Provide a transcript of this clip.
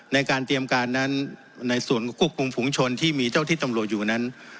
ในการเตรียมการนั้นในส่วนควบคุมฝุงชนที่มีเจ้าที่ตำรวจอยู่นั้น